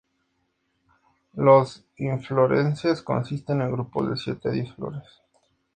Las inflorescencias consisten en grupos de siete a diez flores.